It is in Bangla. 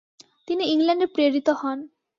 তিনি ইংল্যান্ডে প্রেরিত হন।